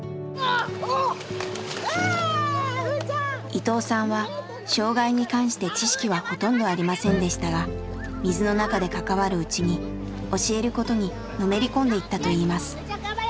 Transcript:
伊藤さんは障害に関して知識はほとんどありませんでしたが水の中で関わるうちに教えることにのめり込んでいったといいます。